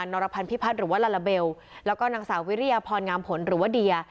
รพันธ์พิพัฒน์หรือว่าลาลาเบลแล้วก็นางสาววิริยพรงามผลหรือว่าเดีย